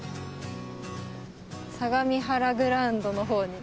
相模原グラウンドの方に。